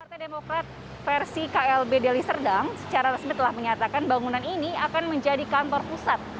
partai demokrat versi klb deli serdang secara resmi telah menyatakan bangunan ini akan menjadi kantor pusat